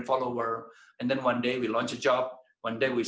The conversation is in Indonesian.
dan kemudian suatu hari kita meluncurkan pekerjaan